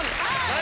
何？